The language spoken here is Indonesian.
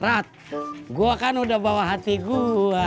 rat gua kan udah bawa hati gua